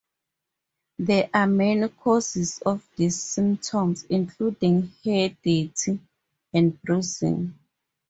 There are many causes of this symptom, including heredity and bruising.